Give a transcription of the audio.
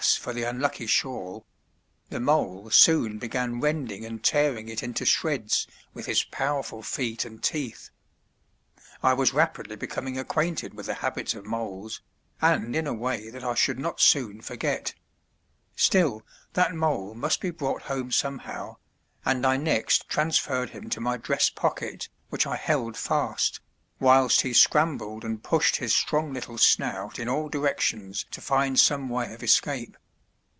for the unlucky shawl the mole soon began rending and tearing it into shreds with his powerful feet and teeth. I was rapidly becoming acquainted with the habits of moles, and in a way that I should not soon forget; still, that mole must be brought home somehow, and I next transferred him to my dress pocket, which I held fast, whilst he scrambled and pushed his strong little snout in all directions to find some way of escape.